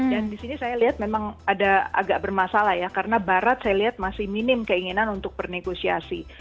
dan di sini saya lihat memang ada agak bermasalah ya karena barat saya lihat masih minim keinginan untuk bernegosiasi